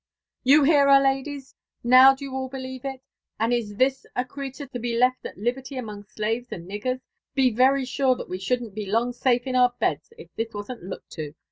*' You hear ,her, ladies ! Now do you all believe it? And is this acretur to be left at, liberty among slaves and niggers? Be very sure that we shouldn't be long safe in our beds if this wasn't looked to.